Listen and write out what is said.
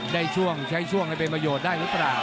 ช่วงใช้ช่วงนั้นเป็นประโยชน์ได้หรือเปล่า